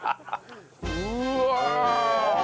うわ！